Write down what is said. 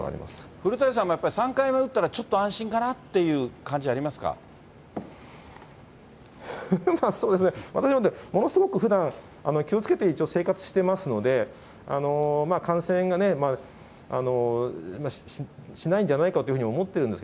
古谷さんもやっぱり３回目打ったら、ちょっと安心かなというまあ、そうですね、私、ものすごくふだん、気をつけて一応生活してますので、感染はしないんじゃないかというふうに思ってるんですね。